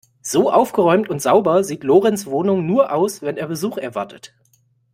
So aufgeräumt und sauber sieht Lorenz Wohnung nur aus, wenn er Besuch erwartet.